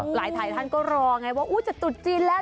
หลายไทยท่านก็รอไงว่าจะตุดจีนแล้ว